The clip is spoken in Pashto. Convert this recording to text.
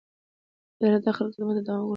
اداره د خلکو خدمت ته دوام ورکوي.